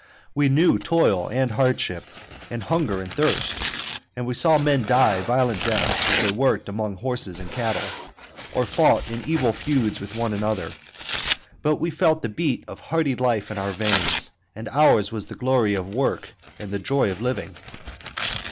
We knew toil and hardship and hunger and thirst; and we saw men die violent deaths as they worked among the horses and cattle, or fought in evil feuds with one another; but we felt the beat of hardy life in our veins, and ours was the glory of work and the joy of living.